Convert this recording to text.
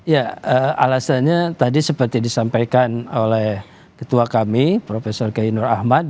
ya alasannya tadi seperti disampaikan oleh ketua kami prof kiai nur ahmad